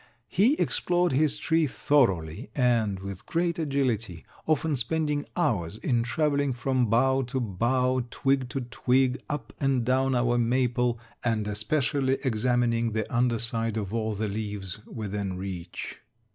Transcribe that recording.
He explored his tree thoroughly, and with great agility, often spending hours in traveling from bough to bough, twig to twig, up and down our maple, and especially examining the underside of all the leaves within reach.